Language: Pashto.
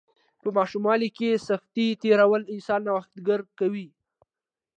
په ماشوموالي کې سختۍ تیرول انسان نوښتګر کوي.